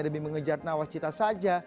demi mengejar nawas cita saja